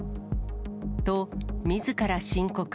と、みずから申告。